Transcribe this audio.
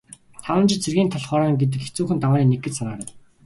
Таван жил цэргийн талх хорооно гэдэг хэцүүхэн давааны нэг гэж санаарай.